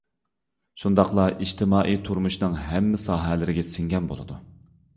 شۇنداقلا ئىجتىمائىي تۇرمۇشنىڭ ھەممە ساھەلىرىگە سىڭگەن بولىدۇ.